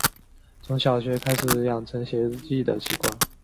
从小学开始养成写日记的习惯